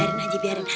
biarin aja biarin